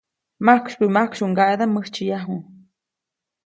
Majksykumajksykuʼy ŋgaʼedaʼm mäjtsyäyaju.